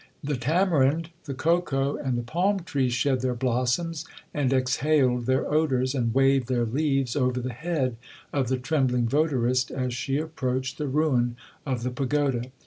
The tamarind, the cocoa, and the palm tree, shed their blossoms, and exhaled their odours, and waved their leaves, over the head of the trembling votarist as she approached the ruin of the pagoda.